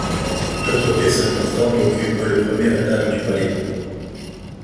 D’autres pièces importantes occupent le premier étage du palais.